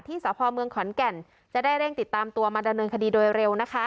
สพเมืองขอนแก่นจะได้เร่งติดตามตัวมาดำเนินคดีโดยเร็วนะคะ